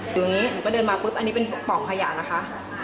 อย่างนี้หนูก็เดินมาปุ๊บอันนี้เป็นปอกขยะนะคะ